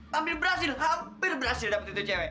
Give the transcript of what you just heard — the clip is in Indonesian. hampir berhasil hampir berhasil dapat tito cewek